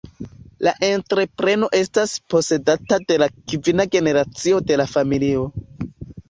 La entrepreno estas posedata de la kvina generacio de la familio.